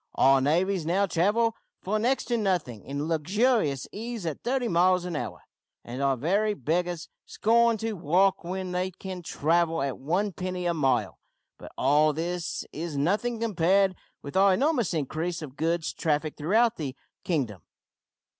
Our navvies now travel for next to nothing in luxurious ease at thirty miles an hour, and our very beggars scorn to walk when they can travel at one penny a mile. But all this is nothing compared with our enormous increase of goods traffic throughout the kingdom.